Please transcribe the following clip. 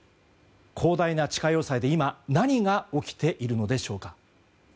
広大な地下要塞で、今何が起きているのでしょうか。